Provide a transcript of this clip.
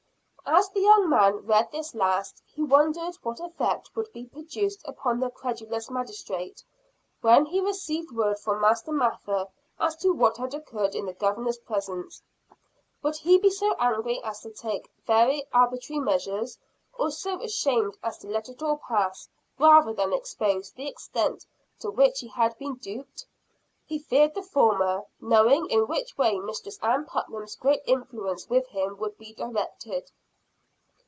As the young man read this last, he wondered what effect would be produced upon the credulous magistrate, when he received word from Master Mather as to what had occurred in the Governor's presence. Would he be so angry as to take very arbitrary measures; or so ashamed as to let it all pass, rather than expose the extent to which he had been duped? He feared the former knowing in which way Mistress Ann Putnam's great influence with him would be directed.